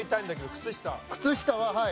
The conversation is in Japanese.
靴下ははい。